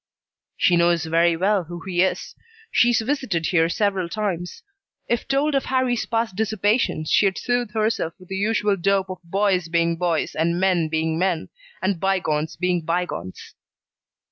"She knows very well who he is. She's visited here several times. If told of Harrie's past dissipations, she'd soothe herself with the usual dope of boys being boys, and men being men, and bygones being bygones."